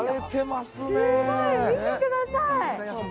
すごい、見てください。